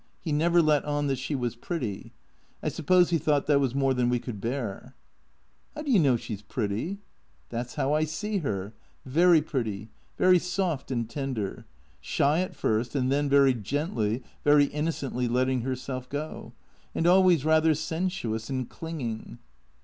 He never let on that she was pretty. I suppose he thought that was more than we could bear." " How do you know she 's pretty ?"" That 's how I see her. Very pretty, very soft and tender. Shy at first, and then very gently, very innocently letting her self go. And always rather sensuous and clinging."